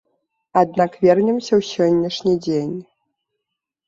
Аднак вернемся ў сённяшні дзень.